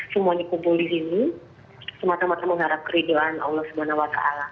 semuanya kumpul di sini semata mata mengharap keriduan allah swt